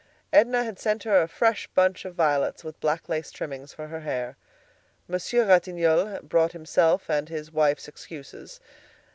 Edna had sent her a fresh bunch of violets with black lace trimmings for her hair. Monsieur Ratignolle brought himself and his wife's excuses.